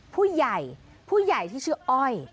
ผู้ใหญ่ผู้ใหญ่ที่ชื่ออ้อย